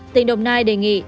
tỉnh đồng nai đề nghị